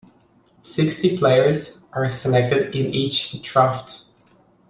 Sixty players are selected in each draft.